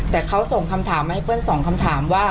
แต่เขาส่งคำถามมาให้เปิ้ลสองคำถามว่า